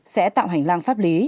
sẽ tạo hành lang pháp lý